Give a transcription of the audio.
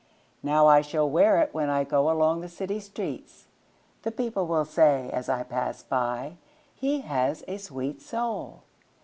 Now I shall wear itWhen I goAlong the city streets:The people will sayAs I pass by—"He has a sweet soul!"